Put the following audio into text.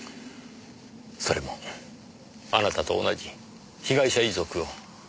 それもあなたと同じ被害者遺族を。